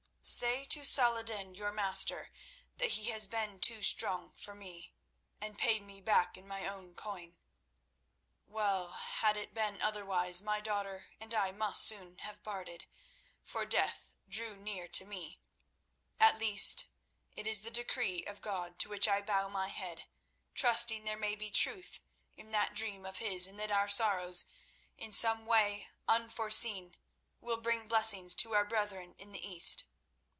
"Say to Saladin, your master, that he has been too strong for me, and paid me back in my own coin. Well, had it been otherwise, my daughter and I must soon have parted, for death drew near to me. At least it is the decree of God, to which I bow my head, trusting there may be truth in that dream of his, and that our sorrows, in some way unforeseen, will bring blessings to our brethren in the East.